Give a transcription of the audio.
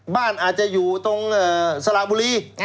บ้านอาจจะอยู่ตรงสระบุรี